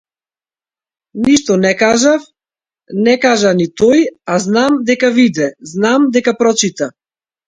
Ништо не кажав, не кажа ни тој, а знам дека виде, знам дека прочита.